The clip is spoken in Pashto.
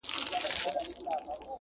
چي لاسونه ماتوم د زورورو٫